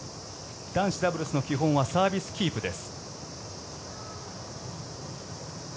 男子ダブルスの基本はサービスキープです。